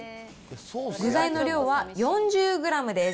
具材の量は４０グラムです。